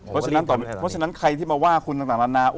เพราะฉะนั้นใครที่มาว่าคุณต่างนานา